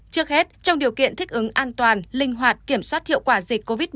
trước hết trong điều kiện thích ứng an toàn linh hoạt kiểm soát hiệu quả dịch covid một mươi